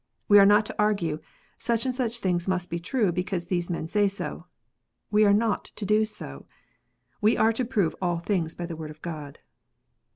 We are not to argue, " Such and such things must be true, because these men say so." We are not to do so. We are to prove all things by the Word of God.